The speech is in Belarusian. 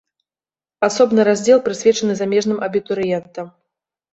Асобны раздзел прысвечаны замежным абітурыентам.